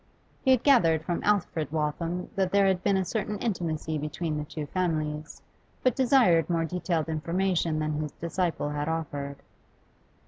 He had gathered from Alfred Waltham that there had been a certain intimacy between the 'two families, but desired more detailed information than his disciple had offered.